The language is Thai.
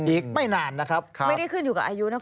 อีกไม่นานนะครับไม่ได้ขึ้นอยู่กับอายุนะคุณ